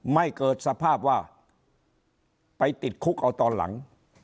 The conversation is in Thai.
ไม่เกิดสภาพว่าไปติดคุกเอาตอนหลัง